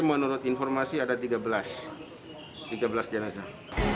menurut informasi ada tiga belas jenazah